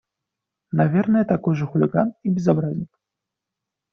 Наверное, такой же хулиган и безобразник.